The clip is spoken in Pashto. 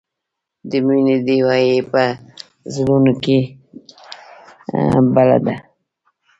د مینې ډیوه یې په زړونو کې بله ده.